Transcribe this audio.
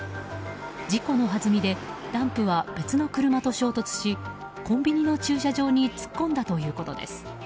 事故のはずみでダンプは別の車と衝突しコンビニの駐車場に突っ込んだということです。